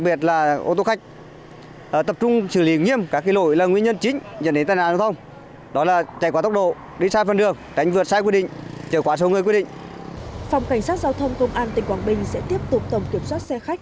phòng cảnh sát giao thông công an tỉnh quảng bình sẽ tiếp tục tổng kiểm soát xe khách